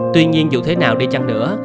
tuy nhiên dù thế nào đi chăng nữa